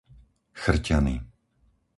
Chrťany